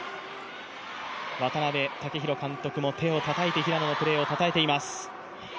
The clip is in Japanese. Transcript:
渡辺武弘監督も手をたたいて平野のプレーをたたえています。